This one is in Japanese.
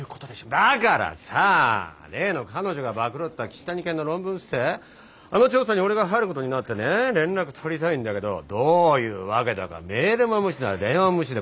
だからさ例の彼女が暴露った岸谷研の論文不正あの調査に俺が入ることになってね連絡取りたいんだけどどういうわけだかメールも無視なら電話も無視で困ってあら！